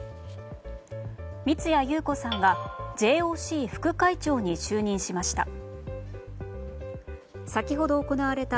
三屋裕子さんがＪＯＣ副会長に就任しました。